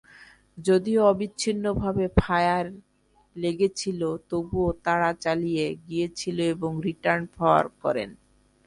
যদিও অবিচ্ছিন্নভাবে ফায়ার লেগেছিল, তবুও তাড়া চালিয়ে গিয়েছিল এবং রিটার্ন ফায়ার করেন।